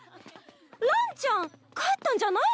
ランちゃん帰ったんじゃないのけ？